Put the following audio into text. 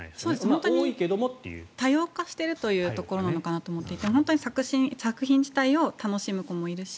本当に多様化しているというところなのかなと思っていて作品自体を楽しむ子もいるし